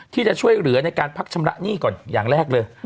ที่จะช่วยเหลือในการพักชำระหนี้ก่อนอย่างแรกเลย